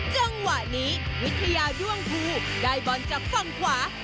จังหวะนี้วิทยาด้วงภูได้บอลจากฝั่งขวา